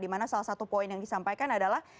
di mana salah satu poin yang disampaikan adalah